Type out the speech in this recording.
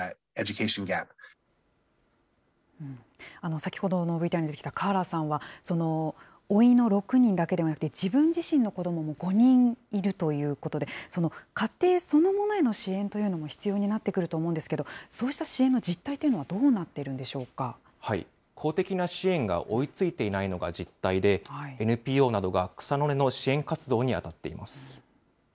先ほどのＶＴＲに出てきたカーラさんは、おいの６人だけではなくて、自分自身の子どもも５人いるということで、家庭そのものへの支援というものも必要になってくると思うんですけど、そうした支援の実態というのは、どうなっているんでしょう公的な支援が追いついていないのが実態で、ＮＰＯなどが草の根の支援活動に当たっています。